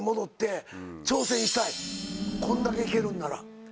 こんだけ行けるんなら。